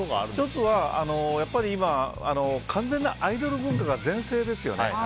１つは、やっぱり今完全なアイドル文化が全盛ですよね。